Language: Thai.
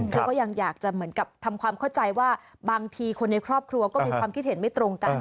ก็ยังอยากจะเหมือนกับทำความเข้าใจว่าบางทีคนในครอบครัวก็มีความคิดเห็นไม่ตรงกัน